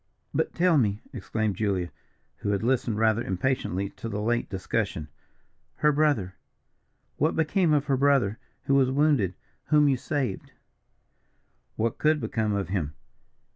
"But, tell me," exclaimed Julia, who had listened rather impatiently to the late discussion "her brother! what became of her brother who was wounded whom you saved?" "What could become of him?